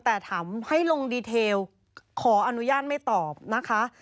แต่ถามให้ลงดีเทลขออนุญาตไม่ตอบนะคะ